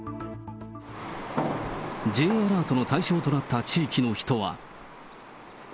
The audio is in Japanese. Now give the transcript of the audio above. Ｊアラートの対象となった地域の人は。